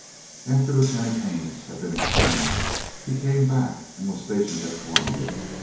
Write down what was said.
After Lieutenant Haines had been exchanged, he came back and was stationed at Columbia.